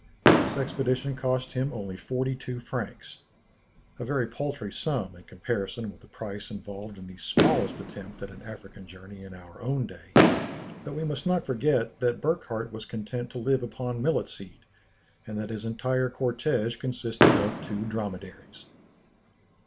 This expedition cost him only forty two francs, a very paltry sum in comparison with the price involved in the smallest attempt at an African journey in our own day; but we must not forget that Burckhardt was content to live upon millet seed, and that his entire cortége consisted of two dromedaries.